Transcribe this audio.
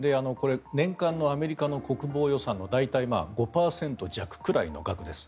年間のアメリカの国防予算の大体、５％弱ぐらいの額です。